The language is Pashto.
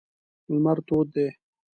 لمر تود دی.